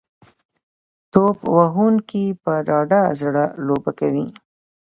توپ وهونکي په ډاډه زړه لوبه کوي.